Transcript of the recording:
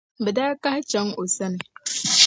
bɛ daa kahi chaŋ o sani.